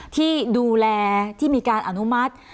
ที่ดูแลที่มีการอนุมัติ